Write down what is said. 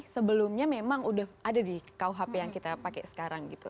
sebelumnya memang udah ada di kuhp yang kita pakai sekarang gitu